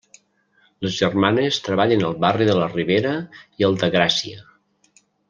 Les germanes treballen al barri de La Ribera i al de Gràcia.